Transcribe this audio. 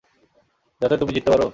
যাতে তুমি জিততে পারো?